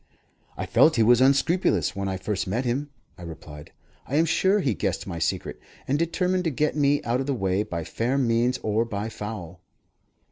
"I felt he was unscrupulous when I first met him," I replied. "I am sure he guessed my secret, and determined to get me out of the way by fair means or by foul."